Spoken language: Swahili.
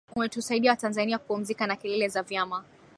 umetusaidia Watanzania kupumzika na kelele za vyama